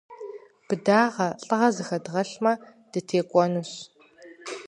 Быдагъэ, лӏыгъэ зыхэдгъэлъмэ, дытекӏуэнущ.